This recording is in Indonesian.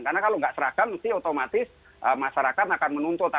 karena kalau nggak seragam pasti otomatis masyarakat akan menuntut